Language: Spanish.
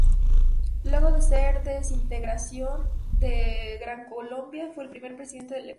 Luego de la desintegración de la Gran Colombia fue le primer presidente del Ecuador.